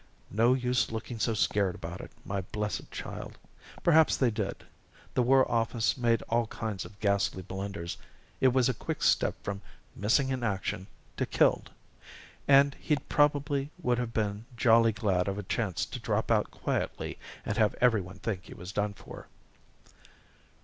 "No use looking so scared about it, my blessed child. Perhaps they did. The War Office made all kinds of ghastly blunders it was a quick step from 'missing in action' to 'killed.' And he'd probably would have been jolly glad of a chance to drop out quietly and have every one think he was done for."